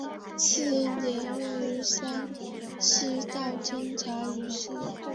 次年为山西道监察御史。